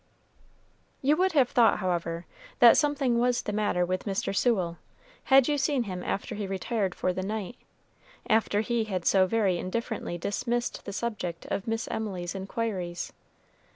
You would have thought, however, that something was the matter with Mr. Sewell, had you seen him after he retired for the night, after he had so very indifferently dismissed the subject of Miss Emily's inquiries.